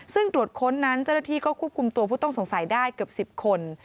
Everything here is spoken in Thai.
ซึ่งตรวจค้นนั้นเจ้าหน้าที่ก็ควบคุมตัวผู้ต้องสงสัยได้เกือบ๑๐คน